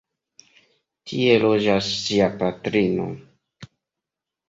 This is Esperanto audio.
Tie loĝas ŝia patrino.